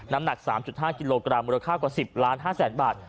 น้ำหนัก๓๕กิโลกรัมมูลค่ากว่า๑๐ล้าน๕แสนบาท